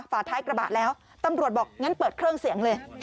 ฝาท้ายกระบะแล้วตำรวจบอกงั้นเปิดเครื่องเสียงเลย